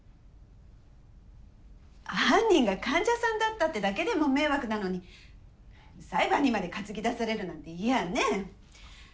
犯人が患者さんだったってだけでも迷惑なのに裁判にまで担ぎ出されるなんて嫌ね。